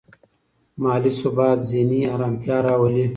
مالي ثبات ذهني ارامتیا راولي.